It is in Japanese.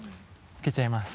つけちゃいます。